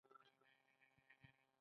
ایا په سینه کې غوټه احساسوئ؟